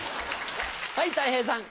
はいたい平さん。